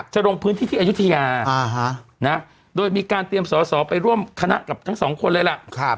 ลงพื้นที่ที่อายุทยาโดยมีการเตรียมสอสอไปร่วมคณะกับทั้งสองคนเลยล่ะ